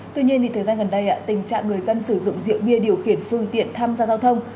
tuy nhiên thời gian gần đây tình trạng người dân sử dụng rượu bia điều khiển phương tiện tham gia giao thông